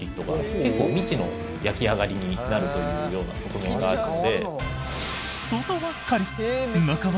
結構、未知の焼き上がりになるというような側面があって。